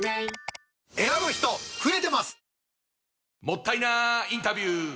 もったいなインタビュー！